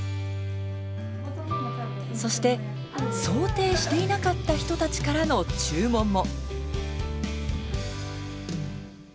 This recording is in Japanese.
そして、想定していなかった人たちからの注文も。